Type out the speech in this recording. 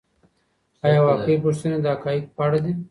آيا واقعي پوښتنې د حقایقو په اړه دي؟